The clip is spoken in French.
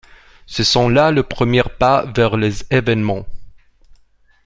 Ce sont là les premiers pas vers les Événements.